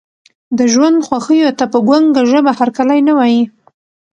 د ژوند خوښیو ته په ګونګه ژبه هرکلی نه وایي.